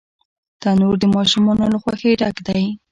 تنور د ماشومانو له خوښۍ ډک دی